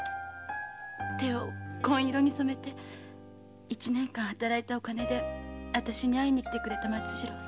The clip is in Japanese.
手を紺色に染めて一年間働いたお金で私に会いに来てくれた松次郎さん。